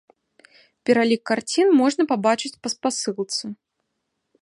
Пералік карцін можна пабачыць па спасылцы.